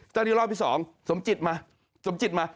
ตอนนี้รอบที่สองสมจิตร์มาสมจิตร์มา